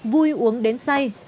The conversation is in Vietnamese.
vui uống đến say